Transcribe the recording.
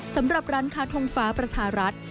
สำหรับร้านค้าทงฟ้าประชารัฐ